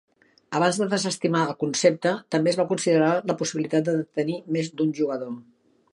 Abans de desestimar el concepte, també es va considerar la possibilitat de tenir més d'un jugador.